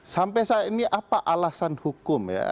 sampai saat ini apa alasan hukum ya